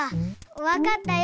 わかったよ。